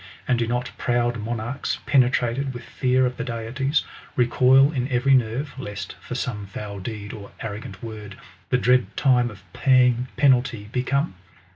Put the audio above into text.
And do not proud monarchs, penetrated with fear K the deities, recoil in every nerve, lest, for some foul depd, or arrogant word, the dread time of pay ing penalty be come